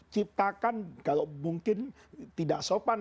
ciptakan kalau mungkin tidak sopan